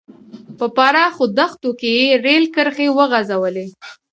په پراخو دښتو کې یې رېل کرښې وغځولې.